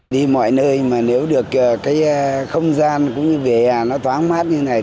đi mọi nơi mà nếu được cái không gian cũng như về hè nó thoáng mát như thế này